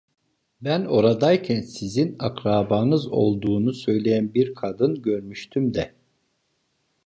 Ben oradayken, sizin akrabanız olduğunu söyleyen bir kadın görmüştüm de…